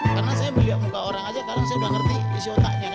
karena saya melihat muka orang saja sekarang saya sudah mengerti isi otaknya